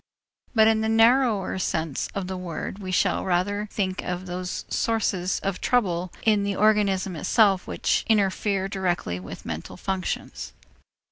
But in the narrower sense of the word, we shall rather think of those sources of trouble in the organism itself which interfere directly with the mental functions.